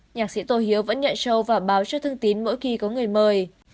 nhạc sĩ tô hiếu vẫn nhận sâu và báo cho thương tín mỗi khi có người mời